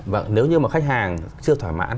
vâng nếu như mà khách hàng chưa thỏa mãn